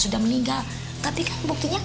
sudah meninggal tapi kan buktinya